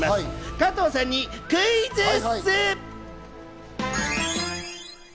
加藤さんにクイズッス！